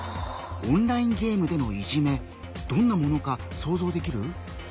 オンラインゲームでのいじめどんなものか想像できる？